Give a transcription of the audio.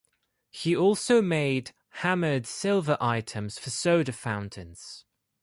He also made hammered silver items for soda fountains.